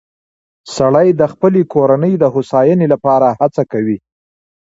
سړی د خپلې کورنۍ د هوساینې لپاره هڅه کوي